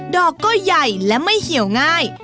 ดอกก็ใหญ่และไม่เหี่ยวง่าย